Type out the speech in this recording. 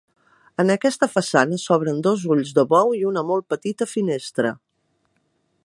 En aquesta façana s'obren dos ulls de bou i una molt petita finestra.